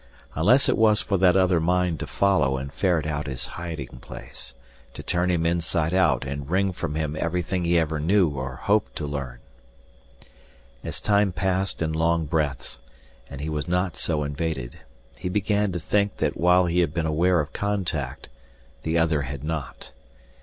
Unless it was for that other mind to follow and ferret out his hiding place, to turn him inside out and wring from him everything he ever knew or hoped to learn. As time passed in long breaths, and he was not so invaded, he began to think that while he had been aware of contact, the other had not.